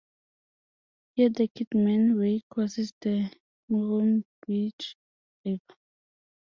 Here the Kidman Way crosses the Murrumbidgee River.